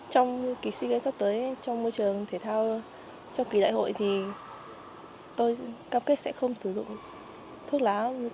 trong kỳ sea games sắp tới trong môi trường thể thao trong kỳ đại hội thì tôi cam kết sẽ không sử dụng thuốc lá